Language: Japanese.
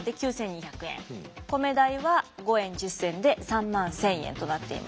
米代は５円１０銭で３万１，０００円となっています。